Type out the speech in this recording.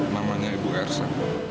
namanya ibu ersa